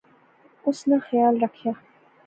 اس ناں خیال رکھِیاں